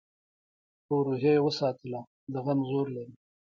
خو روحیه یې وساتله؛ د غم زور لري.